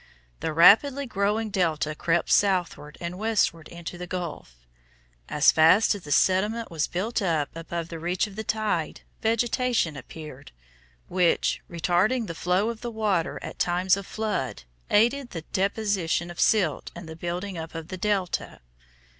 The rapidly growing delta crept southward and westward into the gulf. As fast as the sediment was built up above the reach of the tide, vegetation appeared, which, retarding the flow of the water at times of flood, aided the deposition of silt and the building up of the delta.